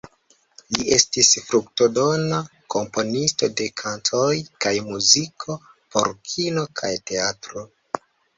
Li estis fruktodona komponisto de kantoj kaj muziko por kino kaj teatro.